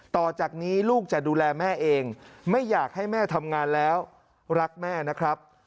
ต่อจากนี้ลูกจะดูแลแม่เองไม่อยากให้แม่ทำงานแล้วรักแม่นะครับ